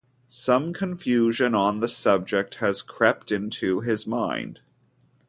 Some confusion on the subject has crept into his mind.